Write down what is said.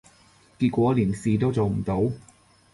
結果連事都做唔到